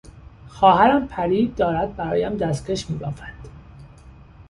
خواهرم پری دارد برایم دستکش میبافد.